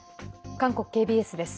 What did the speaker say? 韓国ＫＢＳです。